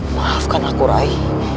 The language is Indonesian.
maafkan aku rai